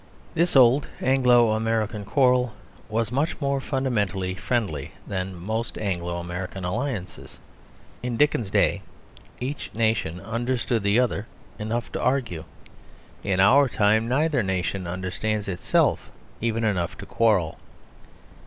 This old Anglo American quarrel was much more fundamentally friendly than most Anglo American alliances. In Dickens's day each nation understood the other enough to argue. In our time neither nation understands itself even enough to quarrel.